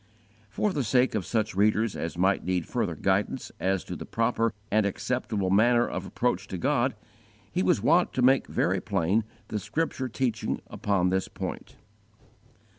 _ For the sake of such readers as might need further guidance as to the proper and acceptable manner of approach to God, he was wont to make very plain the scripture teaching upon this point.